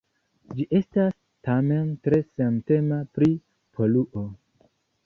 Ĝi estas, tamen, tre sentema pri poluo.